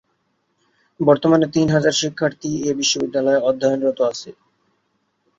বর্তমানে তিন হাজার শিক্ষার্থী এ বিদ্যালয়ে অধ্যয়নরত আছে।